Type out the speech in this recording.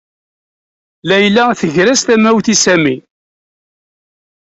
Layla tger-as tamawt i Sami.